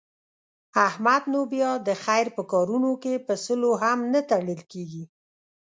احمد نو بیا د خیر په کارونو کې په سلو هم نه تړل کېږي.